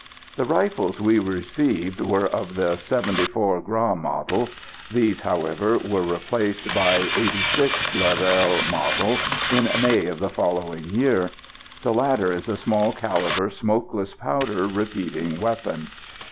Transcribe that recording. The rifles we received were of the " 74 Gras Model." These, however, were replaced by " 86 Lebel Model" in May of the following year. The latter is a small calibre, smokeless powder, repeating weapon.